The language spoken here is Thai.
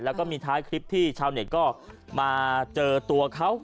แล้วก็มีท้ายคลิปที่ชาวเน็ตก็มาเจอตัวเขา